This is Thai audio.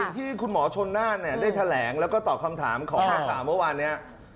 สิ่งที่คุณหมอชนนานได้แถลงแล้วก็ตอบคำถามของ้าแลกมากว่าเมื่อวานเนี่ย